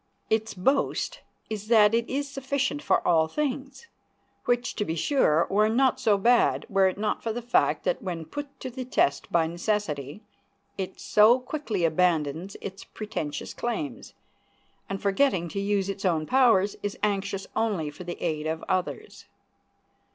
Its boast is that it is sufficient for all things; which, to be sure, were not so bad, were it not for the fact that, when put to the test by necessity, it so quickly abandons its pretentious claims, and, forgetting to use its own powers, is anxious only for the aid of others.